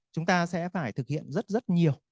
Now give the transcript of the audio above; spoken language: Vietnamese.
chúng ta sẽ phải thực hiện rất rất nhiều